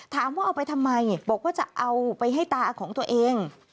ถามว่าเอาไปทำไมบอกว่าจะเอาไปให้ตาของตัวเอง